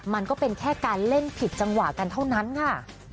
มันก็เป็นแค่การเล่นผิดจังหวะกันเท่านั้นค่ะ